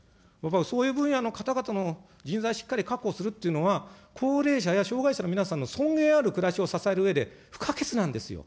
そういう分野の方々の人材しっかり確保するっていうのは、高齢者や障害者の皆さんの尊厳ある暮らしを支えるうえで、不可欠なんですよ。